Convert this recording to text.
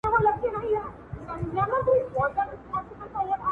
نو راتلونکی موږ ته روښانه پروت دی